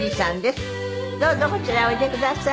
どうぞこちらへおいでください。